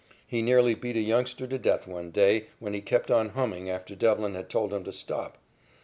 He nearly beat a youngster to death one day when he kept on humming after Devlin had told him to stop.